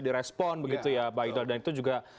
direspon begitu ya pak ida dan itu juga